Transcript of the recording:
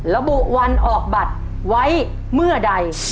ระบุวันออกบัตรไว้เมื่อใด